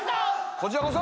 こちらこそ！